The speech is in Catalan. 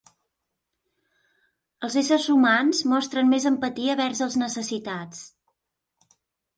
Els éssers humans mostren més empatia vers els necessitats.